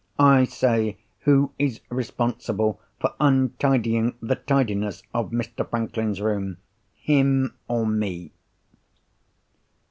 I say, who is responsible for untidying the tidiness of Mr. Franklin's room, him or me?"